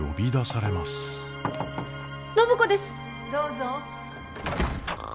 ・どうぞ。